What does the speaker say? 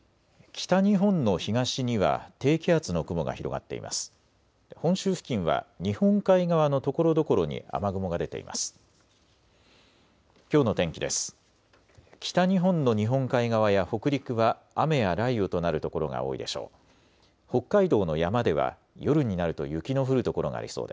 北日本の日本海側や北陸は雨や雷雨となる所が多いでしょう。